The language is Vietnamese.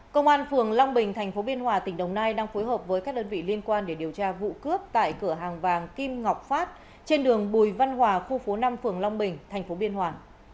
công an phường long bình tp biên hòa tỉnh đồng nai đang phối hợp với các đơn vị liên quan để điều tra vụ cướp tại cửa hàng vàng kim ngọc phát trên đường bùi văn hòa khu phố năm phường long bình tp biên hòa